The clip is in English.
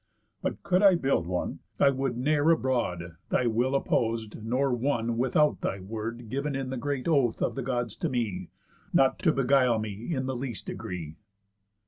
But could I build one, I would ne'er aboard, Thy will oppos'd, nor, won, without thy word, Giv'n in the great oath of the Gods to me, Not to beguile me in the least degree."